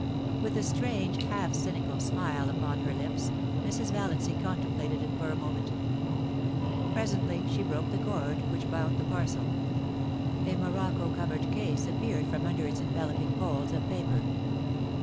With a strange, half cynical smile upon her lips, Mrs. VaUancy contemplated it for a moment Presently, she broke the cord which bound the parcel A morocco<:overed case appeared from under its enveloping folds of paper.